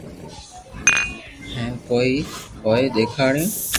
ھين ڪوئي ھئين ديکاڙو